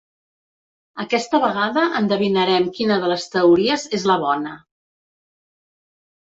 Aquesta vegada endevinarem quina de les teories és la bona.